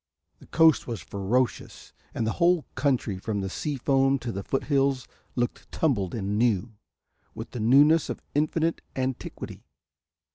The coast was ferocious, and the whole country from the sea foam to the foothills looked tumbled and new, with the newness of infinite antiquity.